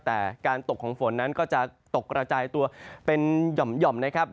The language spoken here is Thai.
แต่การตกของฝนนั้นก็จะตกกระจายตัวเป็นหย่อมนะครับ